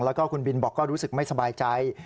แล้วก็คุณบินบอกก็รู้สึกไม่สบายใจ